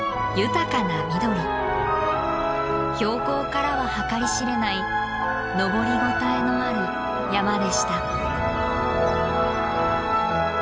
標高からは計り知れない登りごたえのある山でした。